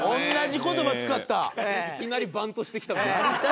いきなりバントしてきた。